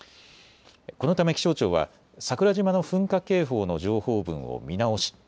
このため気象庁は桜島の噴火警報の情報文を見直し